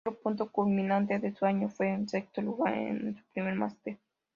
Otro punto culminante de su año fue un sexto lugar en su primer Masters.